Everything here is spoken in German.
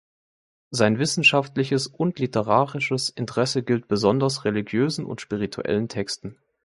Sein wissenschaftliches und literarisches Interesse gilt besonders religiösen und spirituellen Texten.